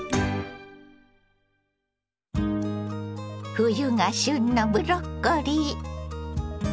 冬が旬のブロッコリー。